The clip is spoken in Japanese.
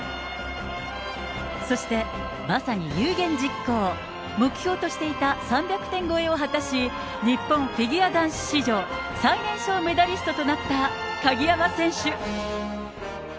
そして、まさに有言実行、目標としていた３００点越えを果たし、日本フィギュア男子史上、最年少メダリストとなった鍵山選手。